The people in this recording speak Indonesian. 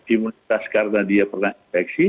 imunitas karena dia pernah infeksi